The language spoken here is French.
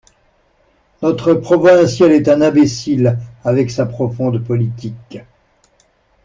Notre Provincial est un imbécile, avec sa profonde politique.